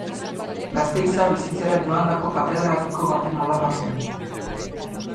Gasteiza bizitzera joandako katedratiko baten alaba zen.